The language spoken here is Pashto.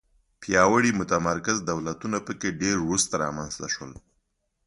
پیاوړي متمرکز دولتونه په کې ډېر وروسته رامنځته شول.